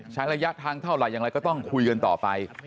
ระยะทางเท่าไหร่อย่างไรก็ต้องคุยกันต่อไป